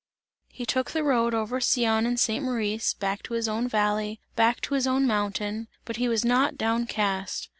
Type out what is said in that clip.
He took the road over Sion and St. Maurice, back to his own valley, back to his own mountain, but he was not down cast.